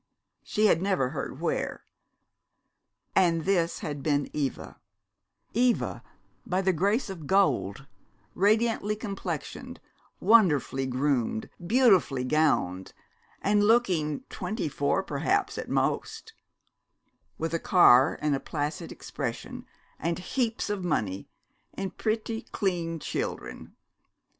She had never heard where. And this had been Eva Eva, by the grace of gold, radiantly complexioned, wonderfully groomed, beautifully gowned, and looking twenty four, perhaps, at most: with a car and a placid expression and heaps of money, and pretty, clean children!